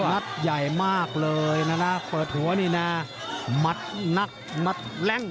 นักใหญ่มากเลยนะนักนักนักนักแหล่งมัดนัดมัดแนะ